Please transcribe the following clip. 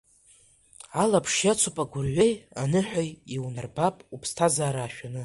Алаԥш иацуп агәырҩеи аныҳәеи, иунарбап уԥсҭазаара ашәаны.